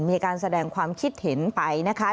มีการแสดงความคิดเห็นไปนะคะ